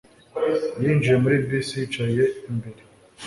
Yinjiye muri bisi yicara imbere.